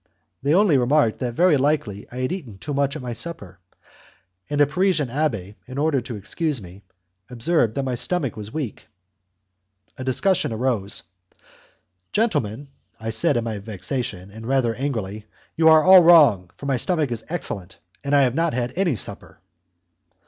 They only remarked that very likely I had eaten too much at my supper, and a Parisian abbé, in order to excuse me, observed that my stomach was weak. A discussion arose. "Gentlemen," I said, in my vexation, and rather angrily, "you are all wrong, for my stomach is excellent, and I have not had any supper."